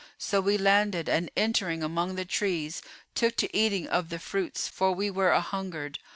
So we landed and entering among the trees took to eating of the fruits, for we were anhungered.